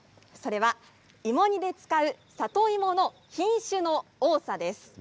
芋煮で使う里芋の品種の多さです。